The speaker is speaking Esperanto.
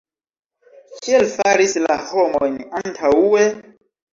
Kiel faris la homojn antaŭe?